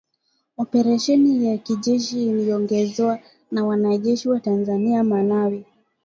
operesheni ya kijeshi ililiyoongozwa na wanajeshi wa Tanzania, Malawi